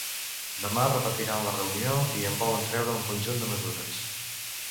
Demà repetiran la reunió i en volen treure un conjunt de mesures.